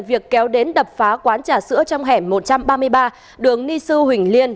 việc kéo đến đập phá quán trà sữa trong hẻm một trăm ba mươi ba đường ni sư huỳnh liên